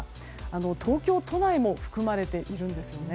東京都内も含まれているんです。